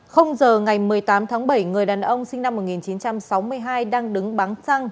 giờ ngày một mươi tám tháng bảy người đàn ông sinh năm một nghìn chín trăm sáu mươi hai đang đứng bắn xăng